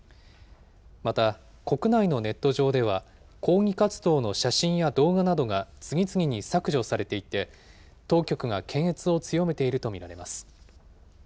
また、国内のネット上では、抗議活動の写真や動画などが次々に削除されていて、当局が検閲を強めていると見られます。